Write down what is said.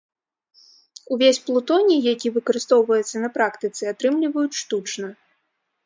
Увесь плутоній, які выкарыстоўваецца на практыцы, атрымліваюць штучна.